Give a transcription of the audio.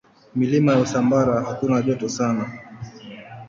Milima ya Usambara hakuna joto sana.